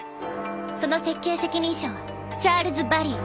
その設計責任者はチャールズバリー。